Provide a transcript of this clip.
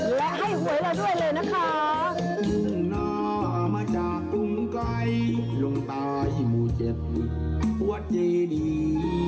ลงตาชิมูเจ็บหวัดเจดี